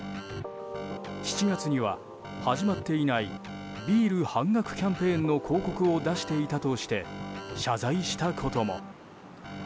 ７月には始まっていないビール半額キャンペーンの広告を出していたとして謝罪したことも。